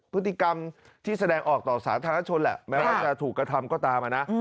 พฤติกรรมที่แสดงออกต่อสาธารณชนแหละแม้ว่าจะถูกกระทำก็ตามนะ